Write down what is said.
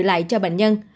lại cho bệnh nhân